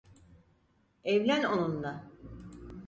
Evlen onunla.